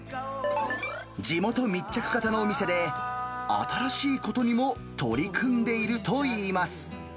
地元密着型のお店で、新しいことにも取り組んでいるといいます。